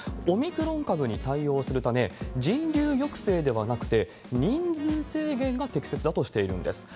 オミクロン株に対応するため、人流抑制ではなくて、人数制限が適切だとしているんです。